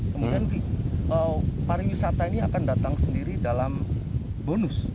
kemudian para wisata ini akan datang sendiri dalam bonus